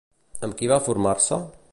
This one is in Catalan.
Amb qui va formar-se?